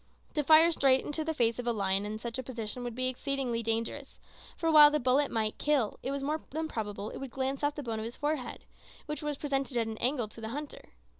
To fire straight in the face of a lion in such a position would be excessively dangerous; for while the bullet might kill, it was more than probable it would glance off the bone of the forehead, which would be presented at an angle to the hunter.